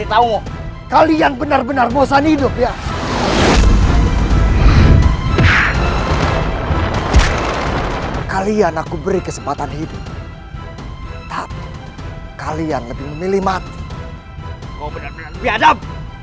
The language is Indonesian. kau benar benar lebih adab